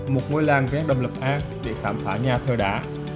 một ngôi làng ghen đồng lập an để khám phá nhà thơ đá